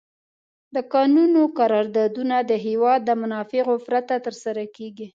د کانونو قراردادونه د هېواد د منافعو پرته تر سره کیږي.